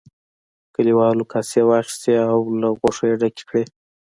کليوالو کاسې واخیستې او له غوښو یې ډکې کړې.